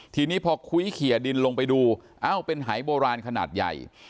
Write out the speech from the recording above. ทีนี้พอคุ้ยเขียดินลงไปดูเอ้าเป็นหายโบราณขนาดใหญ่